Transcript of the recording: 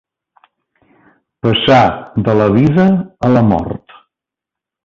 Passà de la vida a la mort.